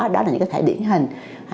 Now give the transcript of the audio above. đó là những cái thể điển hình